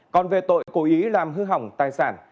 còn về tội cố ý làm hư hỏng tài sản